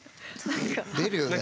出るよね。